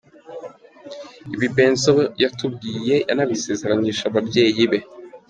Ibi Benzo yatubwiye yanabisezeranyije ababyeyi be.